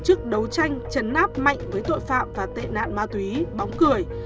tổ chức đấu tranh chấn áp mạnh với tội phạm và tệ nạn ma túy bóng cười